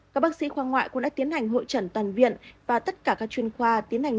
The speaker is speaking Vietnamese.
các bác sĩ khoa ngoại cũng đã tiến hành hội trần toàn viện và tất cả các chuyên khoa tiến hành